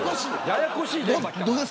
ややこしい。